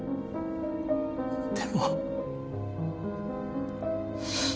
でも。